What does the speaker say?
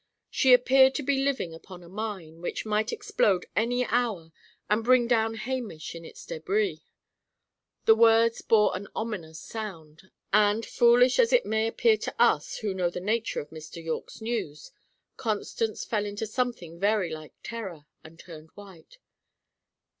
She appeared to be living upon a mine, which might explode any hour and bring down Hamish in its débris. The words bore an ominous sound; and, foolish as it may appear to us, who know the nature of Mr. Yorke's news, Constance fell into something very like terror, and turned white.